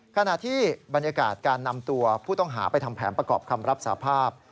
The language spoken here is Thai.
ขณะที่บรรยากาศการนำตัวผู้ต้องหาไปทำแผนประกอบคำรับสาภาพ